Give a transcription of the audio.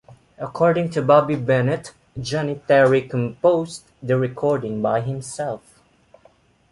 According to Bobby Bennett, Johnny Terry composed the recording by himself.